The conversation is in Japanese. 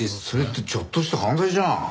それってちょっとした犯罪じゃん。